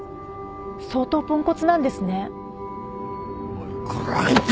おいこら。